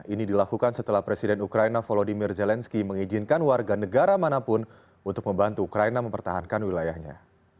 ini dilakukan setelah presiden ukraina volodymyr zelensky mengizinkan warga negara manapun untuk membantu ukraina mempertahankan wilayahnya